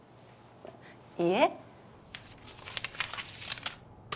いいえ。